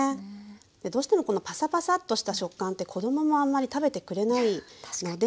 どうしてもこのパサパサッとした食感って子供もあんまり食べてくれないので。